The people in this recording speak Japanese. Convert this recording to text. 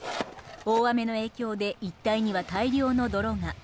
大雨の影響で一帯には大量の泥が。